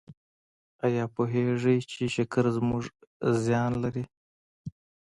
ایا پوهیږئ چې شکر څومره زیان لري؟